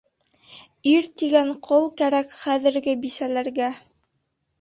Ир тигән ҡол кәрәк хәҙерге бисәләргә!